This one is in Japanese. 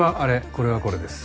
これはこれです。